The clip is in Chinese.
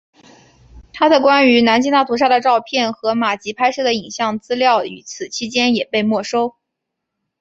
他的关于南京大屠杀的照片和马吉拍摄的影像资料与此期间也被没收。